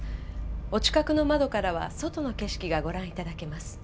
お近くの窓からは外の景色がご覧いただけます。